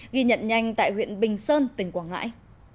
ghi nhận nhanh tại huyện bình sơn tỉnh quảng ngãi